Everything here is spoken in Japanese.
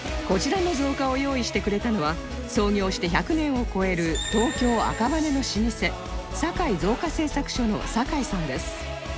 こちらの造花を用意してくれたのは創業して１００年を超える東京赤羽の老舗酒井造花製作所の酒井さんです